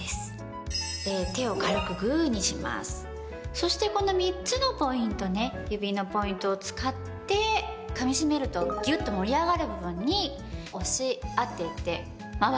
そしてこの３つのポイントね指のポイントを使ってかみしめるとギュッと盛り上がる部分に押し当てて回しています。